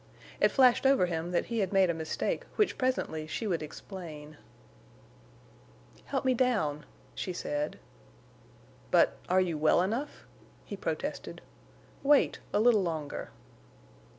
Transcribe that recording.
It flashed over him that he had made a mistake which presently she would explain. "Help me down," she said. "But—are you well enough?" he protested. "Wait—a little longer."